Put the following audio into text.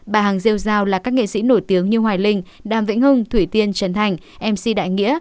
bà hằng rêu giao là các nghệ sĩ nổi tiếng như hoài linh đàm vĩnh hưng thủy tiên trần thành mc đại nghĩa